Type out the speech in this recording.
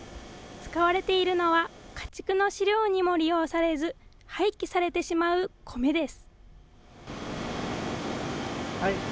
使われているのは、家畜の飼料にも利用されず、廃棄されてしまうコメです。